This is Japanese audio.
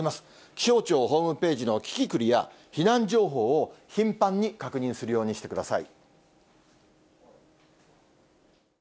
気象庁ホームページのキキクルや避難情報を頻繁に確認するようにしてください。